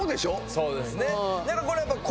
そうですね。